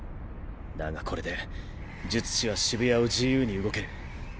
だがこれで術師は渋谷を自由に動ける。